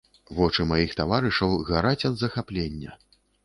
Вочы маіх таварышаў гараць ад захаплення.